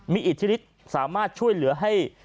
มีอิทธิฤทธิ์สามารถช่วยเหลือให้